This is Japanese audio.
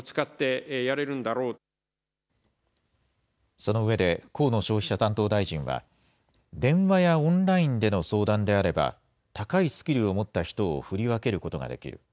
その上で河野消費者担当大臣は、電話やオンラインでの相談であれば、高いスキルを持った人を振り分けることができる。